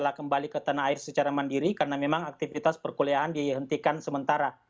mereka kembali ke tanah air secara mandiri karena memang aktivitas perkuliahan dihentikan sementara